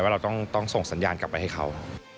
เราต้องส่งสัญญาณกลับไปให้เขา